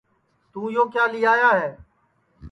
توں یو کیا لی آیا ہے